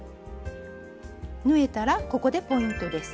縫えたらここでポイントです。